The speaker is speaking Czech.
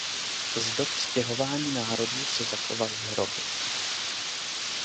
Z dob stěhování národů se zachovaly hroby.